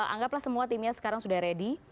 anggaplah semua timnya sekarang sudah ready